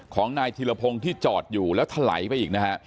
ของนายธิรพงศ์ที่จอดอยู่แล้วถลายไปอีกนะฮะ